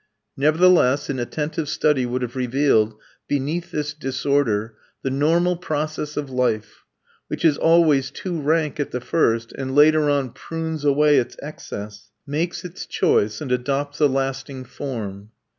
Nevertheless, an attentive study would have revealed, beneath this disorder, the normal process of life, which is always too rank at the first and later on prunes away its excess, makes its choice and adopts a lasting form.